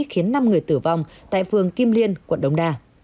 khiến năm người tử vong tại phường kim liên quận đống đa